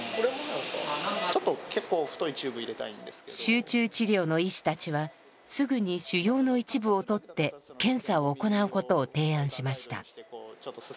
集中治療の医師たちはすぐに腫ようの一部をとって検査を行うことを提案しました。